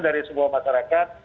dari semua masyarakat